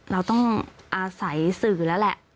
เราต้องอาศัยสื่อแล้วแหละ